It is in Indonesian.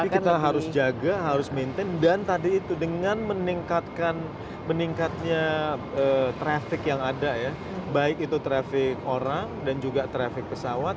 tapi kita harus jaga harus maintain dan tadi itu dengan meningkatnya traffic yang ada ya baik itu traffic orang dan juga traffic pesawat